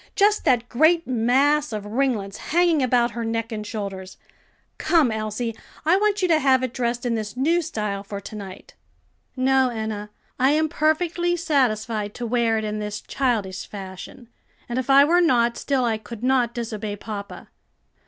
just that great mass of ringlets hanging about her neck and shoulders. Come, Elsie, I want you to have it dressed in this new style for to night." "No, Enna, I am perfectly satisfied to wear it in this childish fashion; and if I were not, still I could not disobey papa."